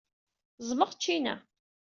Ẓẓmeɣ ccina.